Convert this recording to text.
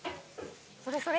それそれ！